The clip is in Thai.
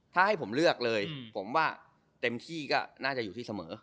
ถ้าให้ผมเลือกเลยผมว่าเต็มที่ก็น่าจะอยู่ที่เสมอ